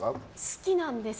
好きなんです。